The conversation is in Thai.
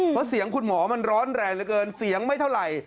เพราะเสียงคุณหมอมันร้อนแรงเหลือเกินเสียงไม่เท่าไหร่